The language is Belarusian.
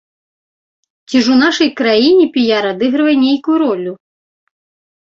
Ці ж у нашай краіне піяр адыгрывае нейкую ролю?!